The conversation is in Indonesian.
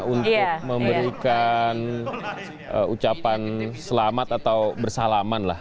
untuk memberikan ucapan selamat atau bersalaman lah